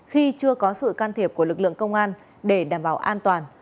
khi chưa có sự can thiệp của lực lượng công an để đảm bảo an toàn